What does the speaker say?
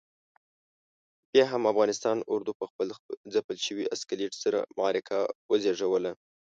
بیا هم افغانستان اردو پخپل ځپل شوي اسکلیت سره معرکه وزېږوله.